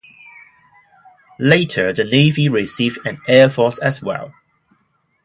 Later the navy received an airforce as well.